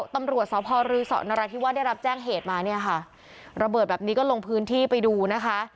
ตำรวจสพรือสนราธิวาสได้รับแจ้งเหตุมาเนี่ยค่ะระเบิดแบบนี้ก็ลงพื้นที่ไปดูนะคะ